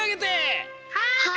はい！